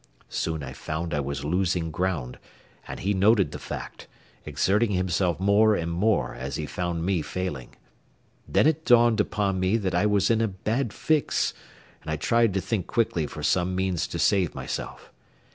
Soon I found I was losing ground, and he noted the fact, exerting himself more and more as he found me failing. Then it dawned upon me that I was in a bad fix, and I tried to think quickly for some means to save myself.